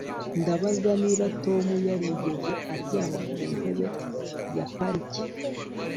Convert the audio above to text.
Ndabaza niba Tom yarigeze aryama ku ntebe ya parike